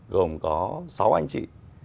gồm có sáu anh chị